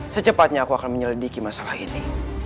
secepatnya aku akan menyelidiki masalah ini